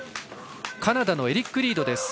カナダのエリック・リード。